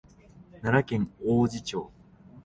奈良県王寺町